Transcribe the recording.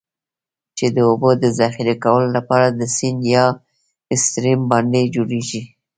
چې د اوبو د ذخیره کولو لپاره د سیند یا Stream باندی جوړیږي.